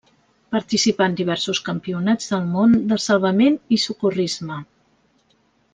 Participà en diversos campionats del món de salvament i socorrisme.